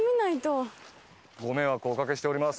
ご迷惑をおかけしております。